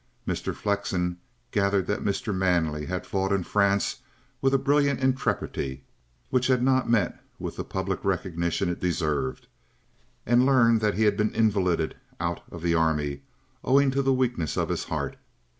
Mr. Flexen gathered that Mr. Manley had fought in France with a brilliant intrepidity which had not met with the public recognition it deserved, and learned that he had been invalided out of the Army owing to the weakness of his heart.